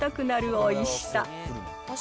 おいしい。